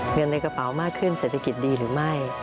เงินในกระเป๋ามากขึ้นเศรษฐกิจดีหรือไม่